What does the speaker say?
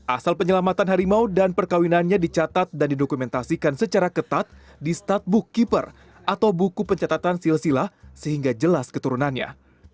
asal penyelamatan harimau dan perkawinannya dicatat dan didokumentasikan secara ketat di statbook keeper atau buku pencatatan silsila sehingga jelas keturunannya